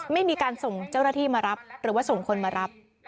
ไม่มีการส่งเจ้าหน้าที่มารับหรือว่าส่งคนมารับ